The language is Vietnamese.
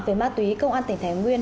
về ma túy công an tỉnh thái nguyên